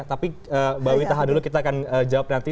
tapi mbak wi tahan dulu kita akan jawab nanti